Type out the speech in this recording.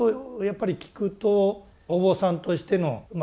やっぱり聞くとお坊さんとしての修行